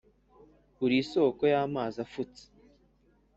uri isoko y’amazi afutse,